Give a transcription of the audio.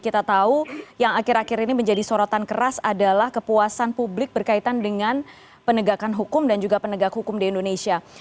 kita tahu yang akhir akhir ini menjadi sorotan keras adalah kepuasan publik berkaitan dengan penegakan hukum dan juga penegak hukum di indonesia